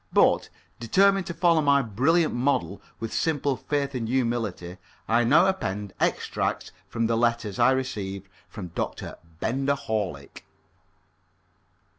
But, determined to follow my brilliant model with simple faith and humility, I now append extracts from the letters I received from Dr. Benger Horlick.